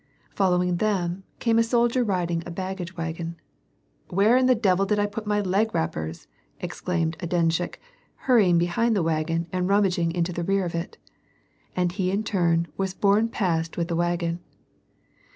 Following them, oanie a soldier riding on a baggage wa^on. "Where the devil did I put my leg wrappers ?" exclaimed a denshehik, hurrying behind the wagon and rummaging into the rear of it. And he in turn was borne past with the wagon.